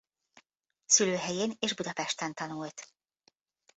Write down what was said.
Szülőhelyén és Budapesten tanult.